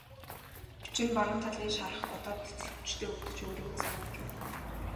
Учир нь баруун талын шарх одоо болтол хүчтэй өвдөж өөрийгөө сануулж байна.